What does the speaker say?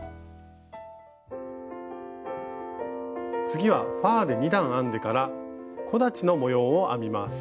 次はファーで２段編んでから木立の模様を編みます。